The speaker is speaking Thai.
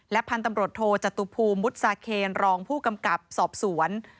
พันธุ์ตำรวจโทจตุภูมิมุทซาเคนรองผู้กำกับสอบสวน